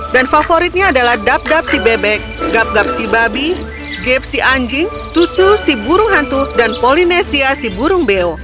dan favoritnya adalah dap dap si bebek gap gap si babi jeep si anjing tucu si burung hantu dan polinesia si burung beo